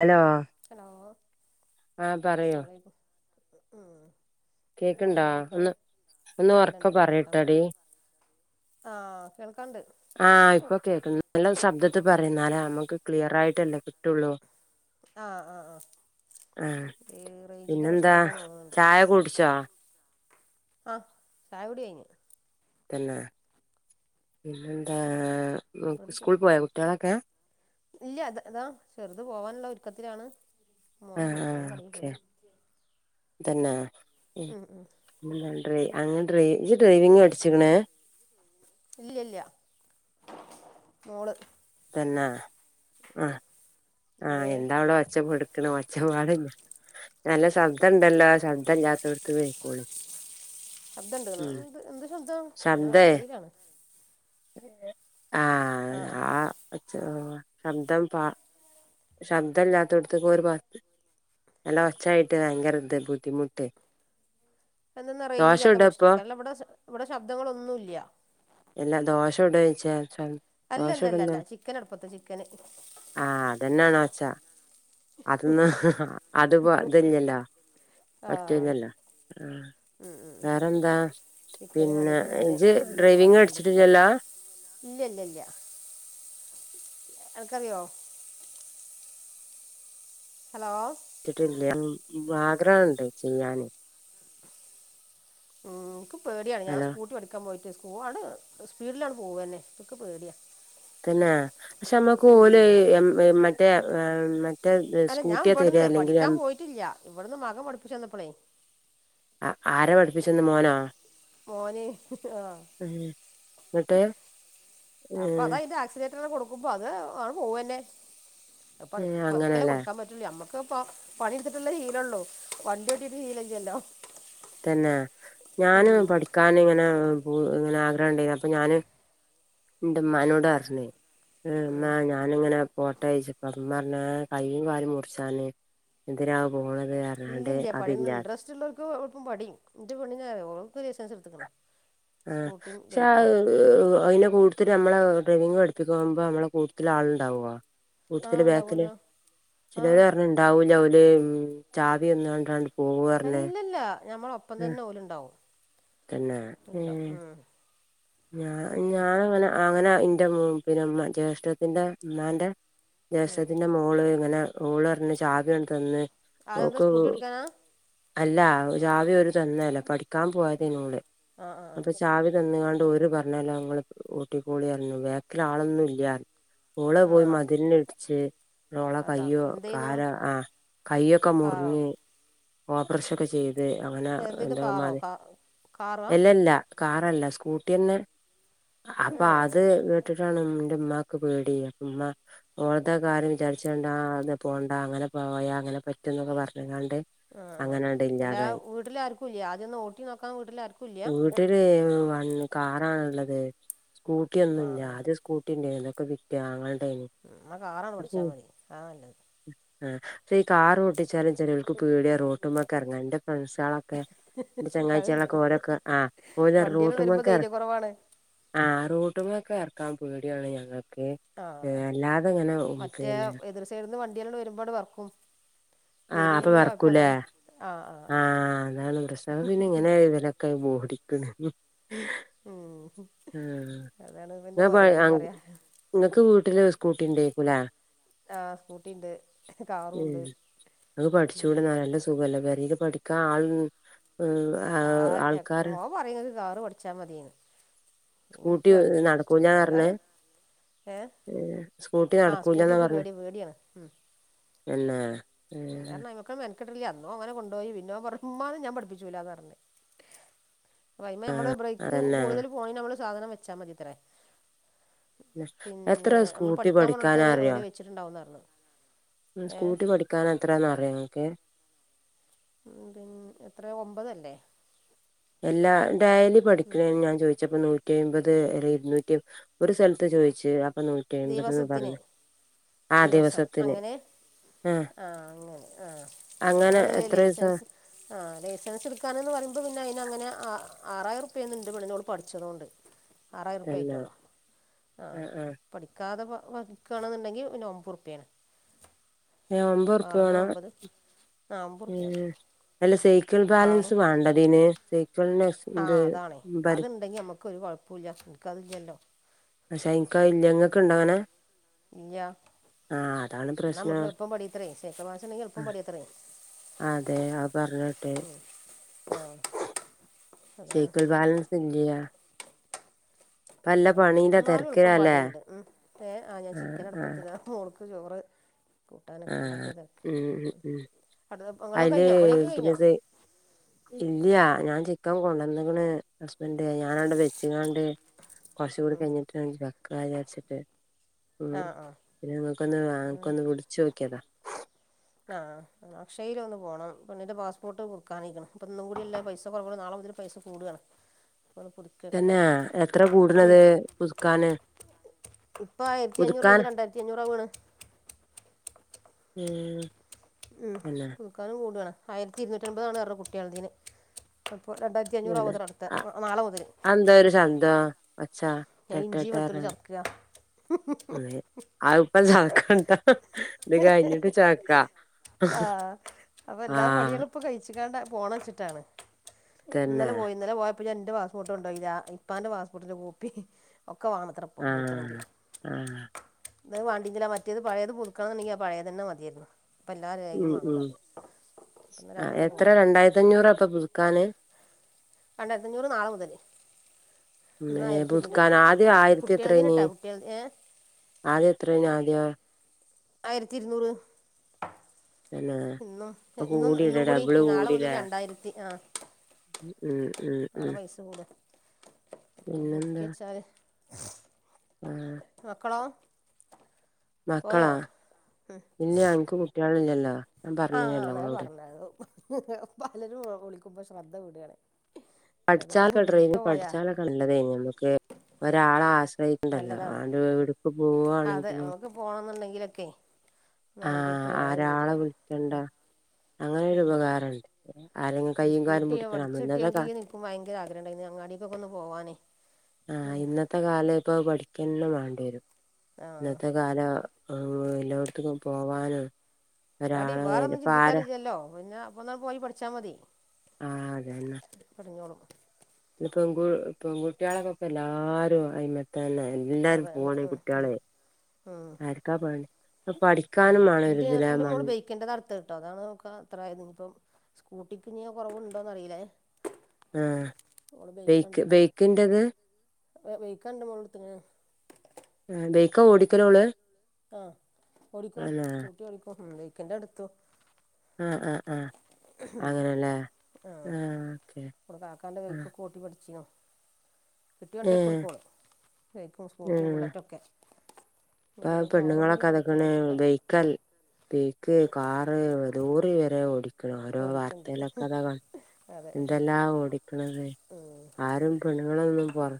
Hello hello ആഹ് അസ്സലാമു പറയൂ അലൈക്കും ഉം എന്താ കേക്ക്ണ്ടോ വിവരങ്ങളൊക്കെ ഒന്ന് ഒന്ന് ആ ഉറക്കെ പറയ്ട്ടൊടി ആഹ് കേൾക്കാണ്ട് ആഹ് ഇപ്പൊ കേക്ക്ൺ നല്ല ശബ്ദത്തി പറയുന്നാലേ അമുക്ക് ക്ലിയർ ആയിട്ടല്ലേ കിട്ടുള്ളൂ ആഹ് ആഹ് ആഹ് ഈ റെയ്ൻജിന്റെ പ്രശ്നം പിന്നെന്താ കൊണ്ടാ തോന്നണുണ്ട് ചായ കുടിച്ചോ ആഹ് ചായകുടി കയ്ഞ്ഞ് തന്നെ പിന്നെ എന്താ സ്കൂള് പോയ കുട്ടികളൊക്കെ ഇല്ല്യ ഇത് ഇതാ ചെർത് പോവാൻള്ള ഒരുക്കത്തിലാണ് ആ മോമ്പോയ് ആ ഓക്കെ മോങ്കടേപ്പോയി തന്നെ ഉം ഡ്രയ് അങ്ങ് ഡ്രയ് ഡ്രൈവിങ് പഠിച്ചിക്ക്ണ് ഇല്ല ഇല്ല മോള് പിന്നാ ആ ആ എന്തേ എന്താവടെഒച്ചപ്പെടുക്കണമാ ച്ചപാട് നല്ല ശബ്ദൊണ്ടല്ലോ ശബ്ദംഇല്ല്യാത്തെടുത്ത് പോയിക്കോളി ശബ്ദണ്ട്ന്നോ എന്ത് എന്ത് ശബ്ദം ഞാൻ ശബ്ദേ അടുക്കളയിലാണ് ആഹ് ആ ച് ശബ്ദം പാ ശബ്ദല്ലാത്തെടുത്തേക്ക് പോയൊരു പാ നല്ല ഒച്ചായിട്ട് ഭയങ്കര ഇത് ബുദ്ധിമുട്ട് എന്നന്നാ ദോശ റേഞ്ചില്ലാത്ത ചുട ഇപ്പൊ പ്രശ്നേക്കും അല്ലാ ഇവിടെ ഇവിടെ ശബ്ദങ്ങളൊന്നൂല്ല്യ അശോ [unintelligible] അല്ല ല്ല അല്ല ചിക്കൻ അടുപ്പത്താ ചിക്കന് ച അതൊന്ന് അത്പ അതില്ലല്ലോ ആ മറ്റേനല്ല ആഹ് ഉം ഉം വേറെന്താ ചിക്കന് പിന്നെ വേണ്ടിയിട്ട് ഞാൻ ഇജ് ഡ്രൈവിങ്ങ് പടിച്ചിട്ടില്ലല്ലോ ഇല്ല്യ ല്ല്യ ല്ല്യ [inaudible] അനക്കറിയോ ഹലോ വിട്ടില്ല ആഗ്രഹണ്ട് ചെയ്യാന് ഉം ഇൻക്ക് പേടിയാണ് ഞാൻ ഹലോ സ്കൂട്ടി പടിക്കാൻ പോയിട്ട് പോവാണെ സ്പീഡിലാണ്ട് പോവെന്നെ ഇൻക് പേടിയാ തന്നെ പക്ഷെ നമ്മക്ക് ഓല് മറ്റേ [unintelligible] അല്ല ഞാൻ സ്കൂട്ടിയാ തരാ ഇവട്ന്ന് അല്ലെങ്കിൽ എം പഠിക്കാൻ പോയിട്ടില്ല ഇവട്ന്ന് മകം പഠിപ്പിച്ചു തന്നപ്പളേ ആ ആരാ പഠിപ്പിച്ചെന്നെ മോനോ മോന് ഉം. എന്നിട്ട് ആ അപ്പൊ അതയ്ന്റെ ആക്സിലേറ്റ അങ്ങനെ കൊടുക്കുമ്പോ അത് ആണ്ട് പോവന്നെ പത്ക്കല്ലെ അങ്ങനെല്ലേ കൊടുക്കാൻ പറ്റൊലള്ളു നമ്മക്ക് നമക്കിപ്പം പണിഇട്ത്ട്ടല്ലെ ശീലൊള്ളൂ വണ്ടി ഓട്ടീട്ട് ശീലം ഇല്ലല്ലോ തന്നെ ഞാന് പഠിക്കാൻ ഇങ്ങനെ അങ്ങനെ ആഗ്രഹം ഇണ്ടായീനി അപ്പൊ ഞാന് ഇൻ്റെ ഇമ്മാ നോട് പറഞ്ഞ് ഇമ്മാ ഞാനിങ്ങനെ പോട്ടെ ചോയിചപ്പം ഇമ്മ പറഞ്ഞ് ഏ കയ്യും കാലും മുറിച്ചാന് എന്തിനാ പോണേ ഇല്ല ഇല്ല പഠിം ഇൻട്രസ്റ്റ് ഉള്ളോർക്ക് എളുപ്പം പഠിം ഇൻ്റെ പെണ്ണ്ന് അറിം ഓള് ഇപ്പം ലൈസൻസ് എടുത്ത്ക്ക്ണ് ആ പക്ഷെ ആ അതിനെക്കെ കൊടു ഇതിന് നമ്മള് ഡ്രൈവിങ്ങ് പഠിപ്പിക്കാുമ്പോ നമ്മള് നമ്മളെ കൂട്ടതിൽ ആളുണ്ടാവോ ആ കൂട്ടത്തിൽ ബേക്കില് ഉണ്ടാവുമല്ലോ ആ ചിലര് പറഞ്ഞ് ഇണ്ടാവൂല ഓല് ഉം ചാവി തന്നാണ്ട് ആണ്ട് പോവും പറഞ്ഞ് നമ്മളെ ഒപ്പം ഉം, തന്നെ ഓല്ണ്ടാവും തന്നെ ഏ ഞാ പിന്നെ ഞാനങ്ങനെ അങ്ങനെ ഇൻ്റെ പിന്നെ ജ്യേഷ്ഠത്തിന്റെ ഇമ്മാന്റെ ഉം ജ്യേഷ്ഠത്തിന്റെ മോള് ഇങ്ങനെ ഓള് പറഞ്ഞ് ചാവി ആണ്ട്തന്ന് അത് എന്താ സ്കൂട്ടി പഠിക്കാനാ അല്ല ചാവി ഒര് തന്നല്ല പഠിക്കാൻ പോയതെയ്നി ഓള് ആ ആ അപ്പൊ ചാവി തന്ന്കാണ് അവര് പറഞ്ഞോലോ ഇങ്ങള് ഓട്ടിക്കോളി ബേക്കില് ആളൊന്നും ഇല്ല ഓള് ആ ആ പോയി മതിൽന് ഇടിച്ച് ഓളെ അതാ കയ്യോ എന്ത് ചെയ്യുന്നു കാലോ ആ കയ്യൊക്കെ കാറോ മുറിഞ്ഞ് ഓപ്പറേഷൻ ഒക്കെ ചെയ്ത് അങ്ങനെ എന്ത് ചെയ്യുന്നു എന്തോ കാറോ മാതി കാ കാറാ എല്ലല്ല കാറല്ല സ്കൂട്ടെന്നെ ഏ അപ്പൊ അത് കേട്ടിട്ട് ന്റെ ഉമ്മാക്ക് പേടി ഇമ്മ ഓൾതകാര്യം വിചാരിച്ചാണ്ട് അത് പോണ്ട അങ്ങനെ പോണ്ടാ പോയാ അങ്ങനെ പറ്റുനൊക്കെ പറഞ്ഞ്കാണ്ട് ആ ആ അല്ല വീട്ടിൽ ആർക്കുല്ലേ ആദ്യം ഒന്ന് ഓട്ടി നോക്കാൻ വീട്ടിലാർക്കുല്ല വീട്ടില് കാറാണുള്ളത് സ്കൂട്ടി ആ ഒന്നുല്ല ആ ആദ്യം സ്കൂട്ടിണ്ടേർന്നു അതൊക്കെ വിറ്റു ആങ്ങള വിറ്റ് ഉം ന്നാ കാറാണ്ട് പഠിച്ചാൽ മതി അതാ നല്ലത് ആ ഇപ്പം ഈ കാർ ഓട്ടിച്ചാലും ചെലോൽക്ക് പേടിയാ റോട്ടുമെക്കെറങ്ങാന് ഫ്രണ്ട്സളൊക്കെ ഇൻ്റെ അതുണ്ട് ചെങ്ങാഴ്ചെളൊക്കെ ഓരോക്കെ ആ ഓല് വണ്ടിയെല്ലാം വരുമ്പോ റോട്ടുമെക്കെറ ധൈര്യ കുറവാണ് ആ റോട്ട്മെക്ക് എറക്കാൻ പേടിയാണ് ഞങ്ങൾക്ക് ആഹ് [unintelligible] അല്ലാതെങ്ങനെ പിന്നെ അപ്പണ്ട് വറക്കും ആഹ അപ്പൊ വെറക്കൂലേ ആഹ് ആഹ് ആ അതാണ് പ്രശ്നം അത് പിന്നെ ഇങ്ങനെ ഇതിലൊക്കെ ബോടിക്കണ ഓ ആ പറയാ [unintelligible] നിങ്ങക്ക് വീട്ടില് സ്കൂട്ടി ഉണ്ടേക്കൂലേ ആ സ്കൂട്ടിയുണ്ട് ഉം കാറുംണ്ട് ഉം അ പഠിക്കാൻ ആൾ ആ ആഹ് ആൾക്കാര് മോൻ പറയും കാറ് പഠിച്ചാ മതീന്ന് സ്കൂട്ടി നടക്കൂലാ പറഞ്ഞ് ഏതായാലും ഏഹ് സ്കൂട്ടി ആഹ് സ്കൂട്ടി നടക്കൂല്ലന്നാ എനിക്ക് പറഞ്ഞ് പേടി പേടിയാണ് എന്നാ പിന്നെർഞ്ഞ [unintelligible] അന്നോ ങ്ങനെ കൊണ്ടോയി പിന്നോൻ പറഞ്ഞ് മ്മാനെ ഞാൻ പഠിപ്പിച്ചൂല്ലാന്ന് പറഞ്ഞ് പൈമ്മള് ബ്രേക്ക് അതന്നെ കൂടുതൽ പോണേന് മ്മള് സാധനം വെച്ചാ മതിത്രേ എത്ര പിന്നെ നമ്മള് സ്കൂട്ടി പഠിക്കാൻ പോണോ ട്ത്ത് പഠിക്കാനറിയോ ഓല് വെച്ചിട്ടുണ്ടാവുന്ന് പറഞ്ഞു ഏ സ്കൂട്ടി പഠിക്കാൻ എത്രാന്ന് അറിയോ ഇങ്ങക്ക് പിന്ന് എത്ര ഒമ്പതല്ലേ എല്ലാ ഡേലി പഠിക്കണന്ന് ഞാൻ ചോദിച്ചപ്പോ നൂറ്റി നൂറ്റിമ്പത് അല്ല ഇരുന്നൂറ്റി ഒരു സ്ഥലത്ത് ചോദിച്ചു അപ്പൊ നൂറ്റിമ്പത് ന്ന് ദിവസത്തിന് പറഞ്ഞു ആ ദിവസം ദിവസത്തിന് അങ്ങനെ ആ അങ്ങനെ ആ ആ അങ്ങനെ നല്ലതേ എത്ര ദിവസം ലൈസൻസ് ആ ലൈസൻസ് എടുക്കാന്ന്ന് പറയുമ്പോ പിന്നെ അയിനങ്ങനെ ആ ആറായിരം ഉർപ്യേന്ന് ഇൻ്റെ പെണ്ണിനോട് പഠിച്ചതോണ്ട് ആറായിരുർപ്യേ തന്നെ ആയിട്ടുള്ളൂ ആ ക്കാതെ വക്കണെന്നുണ്ടെങ്കി പിന്നെ ഒമ്പതുർപ്യേണ് ഒമ്പത് ഉറുപ്യ വേണം ആ ഒമ്പത് ഉറുപ്പ്യയാണ് നല്ല സൈ ക്കൾ ബാലൻസ് വേണ്ടതിന് സൈ ആ അതാണെ അത്ണ്ടെങ്കി നമ്മക്കൊരു കുഴപ്പൂല്യ എനിക്ക അത് ല്ലല്ലോ പഷെ ഇനിക്കതില്ല ഇങ്ങക്ക്ണ്ട അങ്ങനെ ഇല്ല്യ ആ അതാണ് എന്ന പ്രശ്നം നമ്മുക്ക് എളുപ്പം പടിയു ത്രേ സൈക്കിൾ ബാലൻസ്ണ്ടെങ്കിൽ എളുപ്പം പടിയുത്രെ അതെ ആ പറഞ്ഞേട്ട് ആ സൈക്കിൾ ബാലൻസ് ഇല്ല്യ അതാ പ്രശ്നം ന്നാലും എളുപ്പം തിരക്കിലാല്ലേ പടിയ്ണ്ട് ഉം ഏ ആ ഞാൻ ചിക്കൻ അട്പ്പത്തിതാ മോൾ ചോറ് ആ കൂട്ടാനൊക്കെ ഉണ്ടാക്കണ തെരക്കിലാ ഉം ഉം ഉം ഇങ്ങടതൊക്കെ കഴിഞ്ഞോ പണിയൊക്കെ കഴിഞ്ഞോ ഇല്ല്യാ ഞാൻ ചെ ക്കം കൊണ്ടന്നക്കണ് ഹസ്ബൻ്റ് ഞാനണ്ട് വെച്ച്ങ്ങാണ്ട് കൊർച്ച് കൂടി കഴിഞ്ഞിട്ട് കഴിക്കാ കാ ജാരിച്ചിട്ട് ഉ ആഹ് പിന്നെങ്ങക്കൊന്ന് [unintelligible] ആ അക്ഷയേൽ ഒന്ന് പോകണം പിന്നന്റെ പാസ്പോർട്ട് പുതുക്കാനയക്കണ് ഇപ്പൊ ഇന്നും കൂട്യല്ലേ പൈസ കുറവുള്ളു നാളെ മുതല് പൈസ കൂടാണ് തന്നെ എത്ര കൂടുതല് പുതുക്കാന് ഇപ്പൊ ആയിരത്തി അഞ്ഞൂറ്ള്ളത് പുതുക്കാൻ ഞ്ഞി രണ്ടായിരത്തി അഞ്ഞൂറാവാണ് ഉം ഉം തന്നെ പുതുക്കാനും കൂടാണ് ആയിരത്തി ഇരുന്നൂറ്റൻമ്പതാണ്ന്ന് പറഞ്ഞ് കുട്ട്യാളതേന് രണ്ടായിരത്തി ഇങ്ങനെ അഞ്ഞൂറവാത്രെ അടുത്ത ആഹ് നാളെ മുതല് അതെന്താ ഒരു ശബ്ദം ഒച്ച ഞാൻ ടെ ടെ ഇഞ്ചിം ടെ വെളുത്തുള്ളിം പറയണ ചത്ക്ക [unintelligible] ഇത് കഴിഞ്ഞിട്ട് ചാക്ക ആ അപ്പ എല്ലാ ആഹ് പണ്യേളും ഇപ്പൊ കഴിച്ചികാണ്ട് പോണച്ചിട്ടാണ് തന്നെ ഇന്നലെ പോയി ഇന്നലെ പോയ അപ്പ ഞാൻന്റെ പാസ്പോട്ടുണ്ടോയില്ല ഇപ്പാന്റെ പാസ്പോട്ടിന്റെ കോപ്പി ഒക്കെ വാണത്രെ ഇപ്പൊ ആഹ് പുതുക്കണെങ്കി ആഹ് അത് വേണ്ടെങ്കിലാ മറ്റേത് പഴയത് പുതുക്കണ എന്നുണ്ടെങ്കിൽ ആ പഴയെത് തന്നെ മതിയായിരുന്നു അപ്പോൾ എല്ലാ രേഖയും ഉം വേണമെന്ന് ഉം പറഞ്ഞു അപ്പം ഇന്നലെ ആ അങ്ങോട്ട് എത്ര പോകുന്നത് രണ്ടായിരത്തി അഞ്ഞൂറപ്പ പുതുക്കാന് രണ്ടായിരത്തി അഞ്ഞൂറ് നാളെ മുതല് പുതുക്കാൻ ആകെ ആയിരത്തി എത്രനി കുട്ടികളതിനിട്ടാ കുട്ടികൾ ഏ ആദ്യം എത്രനു ആദ്യം ആയിരത്തി ഇരുനൂറ് പിന്നെ ഇന്നും ഇപ്പൊ ഇന്നും കൂടില്ലേ ഇന്നും കൂടി ഡബിള് നാളെ മുതൽ കൂടില്ലേ രണ്ടായിരത്തി ആ ഉം ഉം ഉം ആ പിന്നെന്താ പുതുക്കിവെച്ചാല് ആ മക്കളോ മക്കളാ പോയോ ഇനി നക്ക് കുട്ടികളില്ലല്ലോ ഞാൻ ആ പറഞ്ഞിനല്ലോ അന്ന് ഇങ്ങളോട് പറഞ്ഞരുന്നു പലരു വിളിക്കുമ്പോ ശ്രദ്ധ കൂടിയാണ് [unintelligible] ണ്ടല്ലോ നല്ലതാണ് ആണ്ട് എവിടെക്ക് അതെ പോവാണെങ്കിലും നമുക്ക് പോകണമെന്നുണ്ടെങ്കിലൊക്കെ ഒന്ന് ആ വണ്ടി എടുത്ത് പോകുന്നത് ആരാളെ ശരിയാണ് വിളിക്കേണ്ട അങ്ങനെൊരു ഉപകാരണ്ട് ആരെങ്കിലും ഒരു കയ്യും കാലും സ്കൂട്ടി പിടിക്കണം ഇന്നത്തെ കാ പഠിച്ചിട്ടിയെങ്കി നിക്കും ഭയങ്കര ആഗ്രഹണ്ടായിരുന്നു അങ്ങാടിക്ക്ക്ക് ഒന്ന് പോവാനേ ആ ഇന്നത്തെ കാല ഇപ്പ പഠിക്കാന്നെ വേണ്ടിവരും ആ ഇന്നത്തെ കാല എല്ലായിടത്തുക്കും പോവാനും പടി ഒരാള് വേറെന്നും ഇപ്പ ചിന്തിക്കാൻ ആരാ ഇല്ലല്ലോ പിന്നെ അപ്പോൾ എന്നാൽ പോയി പഠിച്ചാൽ മതി ആഹ് അതന്നെ പഠിഞ്ഞോളും പെൺകു പെൺകുട്ടികളക്കൊപ്പം എല്ലാരും അയിമത്ത് തന്നെ എല്ലാരും അതെ അതെ പോണേ ഉം ഉം കുട്ടികളെ ആർക്കാ പോണേ ന്റെ എന്റെ മോള് ബൈക്കിന്റെ ത അടുത്ത് കിട്ടും അതാണ് ന അത്രയത് ഇനിപ്പ സ്കൂട്ടിക്കിനിയ കുറവ് ഉണ്ടോന്ന് അറിയില്ല ആ ബൈക്ക് ബൈക്കിന്റെത് ബൈക്കാന്റെ മോൾ എടുക്കണത് ആ ബൈക്ക് ഓടിക്കൽ ഓള് ആ ഓടിക്കും സ്കൂട്ടി ഓടിക്കും ബൈക്കിന്റെ എടുത്തു ആ ആ ആ ആ ആഹ് ഓക്കെ നമ്മുടെ കാക്കാന്റെ ആഹ് ബൈക്ക് ഓടിച്ചു പഠിച്ചു ഏഹ് ഏഹ് [unintelligible] ഇപ്പ ഓക്ക് കാറും കൂടി പെണ്ണുങ്ങളൊക്കെ പഠിക്കണം അതൊക്കണേ വെച്ചിട്ടാ ഉപയോഗിക്കൽ ബൈക്ക് കാറ് ലോറി വരെ ഓടിക്കണു ഓരോ ഓടിക്കണ്ട് വാർത്തയിലൊക്കെ അതാ കാ അതെ എന്തെല്ലാം ഓടിക്കണത് ഉം ആരും പെണ്ണുങ്ങളളൊന്നും പൊറ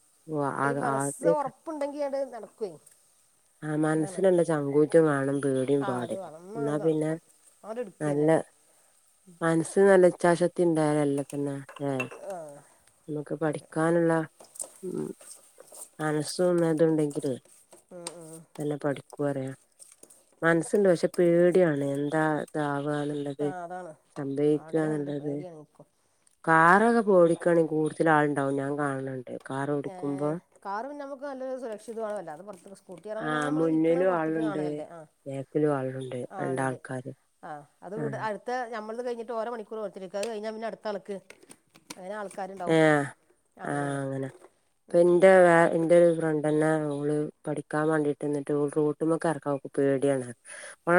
ആ ഒരു മനസ്സ് അകത്തേക്ക് ഉറപ്പുണ്ടെങ്കിൽ [inaudible] ആ അതാണ് മനസ്സിലുള്ള ചങ്കൂറ്റം കാണും പേടിയും ആ അത് പാടില്ല വളർന്നാണ് എന്നാൽ പിന്നെ നടക്കും അവിടെ എടുക്കുക തന്നെ നല്ല മനസ്സി നല്ല ഇച്ചാശക്തി ഉണ്ടായതലേ പിന്നെ ആ നമുക്ക് പഠിക്കാനുള്ള ഉള്ള മനസും ണ്ടെങ്കില് ഉം, ഉം. പറയാ മനസ്സുണ്ട് പക്ഷെ പേടിയാണ് എന്താ ഇത ആ അതാണ് ആഗ്രഹമുണ്ട് സംഭവിക്കാനുള്ളത് പേടിയാണ് എനിക്കും കാറൊക്കെ കോടിക്കണക്കിന് കൂടുതൽ ആളുണ്ടാകും ഞാൻ കാണുണുണ്ട് ഒ കാറ് പിന്നെ നമുക്ക് നല്ലൊരു സുരക്ഷിതമാണലോ അത് പുറത്ത് ആ മുന്നിലും ആളുണ്ട് ആ ബാക്കിലും ആളുണ്ട് ആ ഉണ്ട് രണ്ടാൾക്കാര് ആ അത് ആ ഇവിടെ അടുത്ത് നമ്മള് കഴിഞ്ഞിട്ട് ഓരോ മണിക്കൂർ കൊടുത്തിരിക്കും നിക്കാഹ് കഴിഞ്ഞാൽ പിന്നെ അടുത്താള്‌ക്ക് അങ്ങനെ ആൾക്കാരുണ്ടാവും അങ്ങനെയാണ് അപ്പോ എന്റെ വെ എ്റെ ഒരു ഫ്രണ്ട് തന്നെ അവള് പഠിക്കാൻ വേണ്ടീട്ട് നിിട്ട്ൾ റൂട്ട്്മൊക്കെ ഇറക്കാം പേടിയാണ്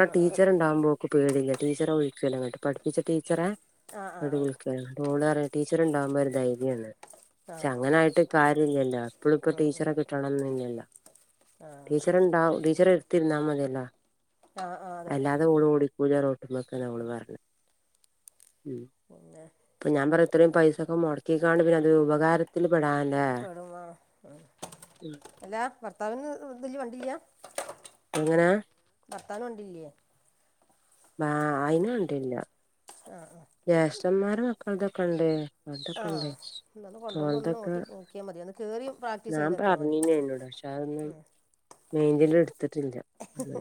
ന ആ ടീച്ച ഉണ്ടകുമ്പോക്ക് പേടില്ല ടീച്ചറെ ഒഴിക്കല്ല കേട്ട് പഠിപ്പിച്ച ടീച്ചറെ ആ ആ ആ അടിപളിക്കോ ടീച്ചർ ഉണ്ടാകൻരുന്നു ശ ആ പക്ഷെ ആ അങ്ങനൊയിട്ട് കാര്യ ഇില്ലല്ലോ എപ്പളും ഇപ്പോൊ ഉം, ഉം. ടീച്ചറെ കിട്ടണംന്ന ഇല്ലല്ലോ ആ ടീച്ചർണ്ട ടീച്ചർ ഇർത്തി ന്നാ മതിയല്ലോ ആ ആ അതെ അല്ലാതെ ഓട് ഓടിക്കൂലാറോട്ടുമ്പോക്കന്ന അവള് പറഞ്ഞ ഉ പിന്നെ അപ്പൊ ഞാൻ പറ ഇത്രയും പൈസൊക്കെ മുടക്കിിക്കാണ്ട് പിന്നെ അത് ഉപകാരത്തി പേട വ അല്ലാ ഭർത്താവിന് ഇതില് വണ്ടില്ല എങ്ങനാ വത്താന കൊണ്ടില്ലേ വ അയിന ഉണ്ടില്ല ആ ജ്യേഷ്ഠന്മാര് മക്കൾ ഇതൊക്കെ ഉണ്ട് ആ ആ പോലതൊക്കെ ഉണ്ടേ ഒന്ന് കൊണ്ടുവരുമ്പോൾ ഒന്ന് പോലതൊക്കെ ഓട്ടി നോക്കിയാൽ മതി ഒന്ന് കയറി പ്രാക്ടീസ് ഞാൻ ചെയ്ത് നോക്കിയാൽ മതി പറഞ്ഞന്ന എന്നോട പക്ഷെ അതൊന്നും മെയിന്റന്റ് എടുത്തിട്ടില്ല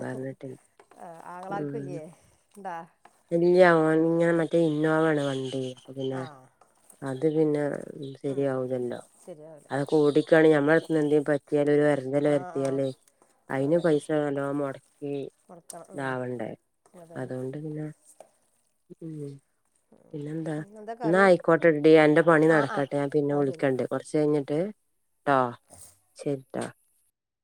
പറഞ്ഞിട്ടില്ല ആ ഉ ആങ്ങളാർക്കും ഇല്ലേ ഉണ്ടാ എല്ല ഇങ്ങനെ മറ്റേ ഇന്നോവയാണ് വണ്ടി അപ്പൊ പിന്നെ ആ അത് പിന്നെ ശരിയാവില്ലല്ലോ ശരിയാവില്ല അതൊക്കെ ഓടിക്കയാണെങ്ക ഞമ്മൾ എന്തേും പറ്റിയാല ഒരു വരന്തല ആ ആ വരുത്തിയല്ലേ അതിന് അതെ പൈസ നല്ലോട മുടക്കണം ഉം. ഇതാവണ്ടേ അതന്നെ അതുകൊണ്ട് പിന്നെ പിന്നെന്താ ഇന്നെന്താ ഇാ കറി ആയിക്കോട്ടെട എന്റെ പണി ആ ആ നടക്കട്ടെ ഞാൻ പിന്നെ ആ ശരി വിളിക്കണ്ടേ കുറച്ച് കഴിഞ്ഞിട്ട് ആ ചട്ട